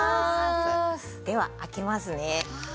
では開けますね。